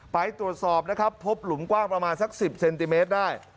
ไปตรวจสอบนะครับพบหลุมกว้างประมาณสัก๑๐เซนติเมตรได้